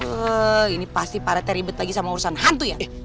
eh ini pasti pak rt ribet lagi sama urusan hantu ya